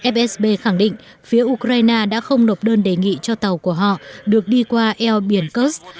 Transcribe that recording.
fsb khẳng định phía ukraine đã không nộp đơn đề nghị cho tàu của họ được đi qua eo biển kurs